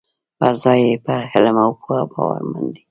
پر ځای یې پر علم او پوه باورمن دي.